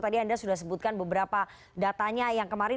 tadi anda sudah sebutkan beberapa datanya yang kemarin